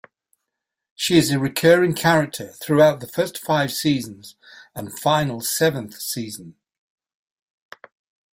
She is a recurring character throughout the first five seasons and final seventh season.